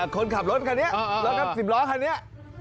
คนขับรถคันนี้รถทัพสิบล้อนคันเนี่ย